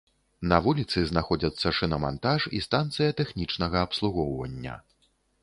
На вуліцы знаходзяцца шынамантаж і станцыя тэхнічнага абслугоўвання.